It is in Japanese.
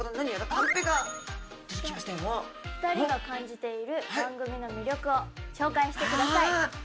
「２人が感じている番組の魅力を紹介してください」。